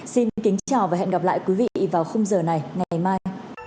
xin kính chào và hẹn gặp lại quý vị vào khung giờ này ngày mai